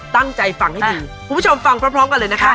ตั้งใจฟังให้ดีคุณผู้ชมฟังพร้อมกันเลยนะคะ